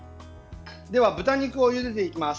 では、豚肉をゆでていきます。